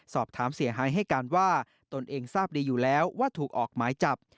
สอบถามเสียหายให้การว่าตนเองทราบดีอยู่แล้วว่าถูกออกหมายจับ